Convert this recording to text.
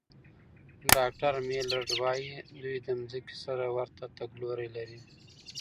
ډاکټر میلرډ وايي، دوی د ځمکې سره ورته تګلوري لري.